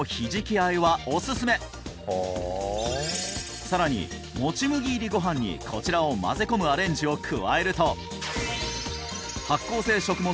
あえはおすすめさらにもち麦入りご飯にこちらを混ぜ込むアレンジを加えると発酵性食物